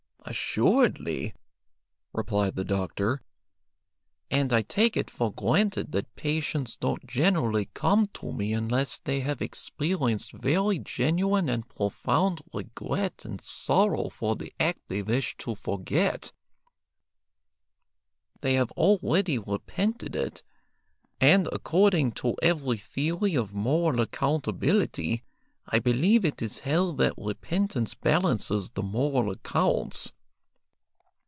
"Assuredly," replied the doctor; "and I take it for granted that patients don't generally come to me unless they have experienced very genuine and profound regret and sorrow for the act they wish to forget. They have already repented it, and, according to every theory of moral accountability, I believe it is held that repentance balances the moral accounts.